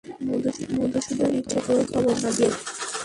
মধুসূদন ইচ্ছে করেই খবর না দিয়েই এসেছে।